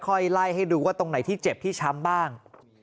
ไล่ให้ดูว่าตรงไหนที่เจ็บที่ช้ำบ้าง